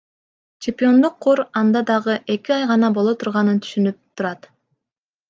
Чемпиондук кур анда дагы эки ай гана боло турганын түшүнүп турат.